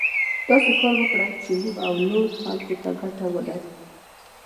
داسې کار وکړو چې موږ او نورو خلکو ته ګټه ولري.